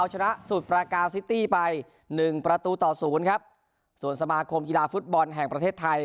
หนึ่งประตูต่อศูนย์ครับส่วนสมาคมกีฬาฟุตบอลแห่งประเทศไทย